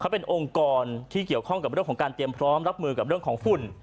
เป็นองค์กรที่เกี่ยวข้องกับเรื่องของการเตรียมพร้อมรับมือกับเรื่องของฝุ่น